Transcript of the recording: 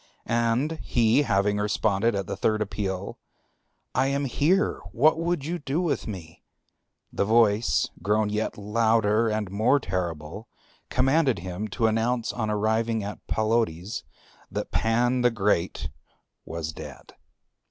And he having responded at the third appeal, "I am here; what would you with me?" the voice, grown yet louder and more terrible, commanded him to announce on arriving at Palodes that Pan the Great was dead.